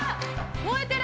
燃えてる！